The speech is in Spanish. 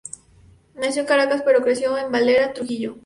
Nació en Caracas pero creció en Valera, Trujillo.